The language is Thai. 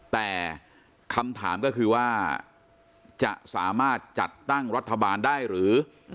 แต่คำถามก็คือว่าจะสามารถจัดตั้งรัฐบาลได้หรือ